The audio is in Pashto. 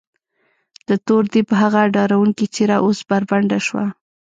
د تور دیب هغه ډارونکې څېره اوس بربنډه شوه.